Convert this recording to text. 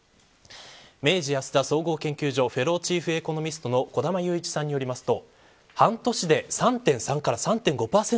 明治安田総合研究所フェローチーフエコノミストの小玉祐一さんによりますと。